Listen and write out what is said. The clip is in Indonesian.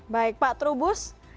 baik pak trubus